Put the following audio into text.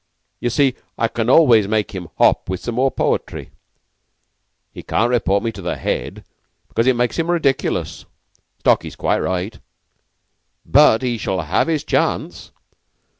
You see I can always make him hop with some more poetry. He can't report me to the Head, because it makes him ridiculous. (Stalky's quite right.) But he shall have his chance."